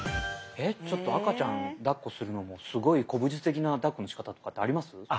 えっちょっと赤ちゃんだっこするのもすごい古武術的なだっこのしかたとかってあります？